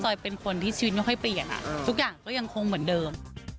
เป็นคนที่ชีวิตไม่ค่อยเปลี่ยนทุกอย่างก็ยังคงเหมือนเดิม